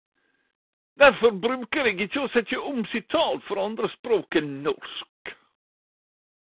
Derfor bruker eg ikkje å setje om sitat frå andre språk enn norsk.